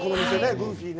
グーフィーね。